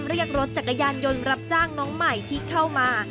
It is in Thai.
เรียกรถจักรยานยนต์รับจ้างน้องใหม่ที่เข้ามา